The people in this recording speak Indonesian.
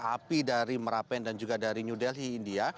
api dari merapen dan juga dari new delhi india